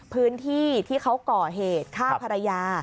พื้นที่ที่เขาก่อเหตุฆ่าภรรยา